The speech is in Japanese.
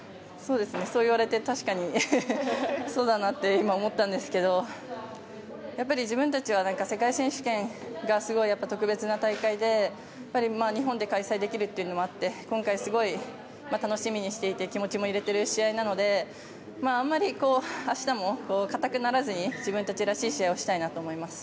そう言われて確かにそうだなって今、思ったんですけど自分たちは世界選手権がすごく特別な大会で日本で開催できるということもあって今回、すごい楽しみにしていて気持ちも入れている試合なのであまり、明日も硬くならずに自分たちらしい試合をしたいと思います。